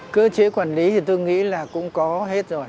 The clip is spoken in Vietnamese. cơ chế quản lý thì tôi nghĩ là cũng có hết rồi